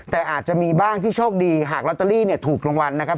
แต่อาจจะมีบ้างที่โชคดีหากลอตเตอรี่เนี่ยถูกรางวัลนะครับ